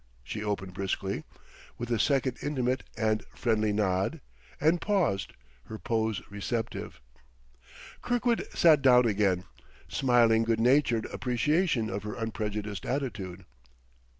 she opened briskly, with a second intimate and friendly nod; and paused, her pose receptive. Kirkwood sat down again, smiling good natured appreciation of her unprejudiced attitude.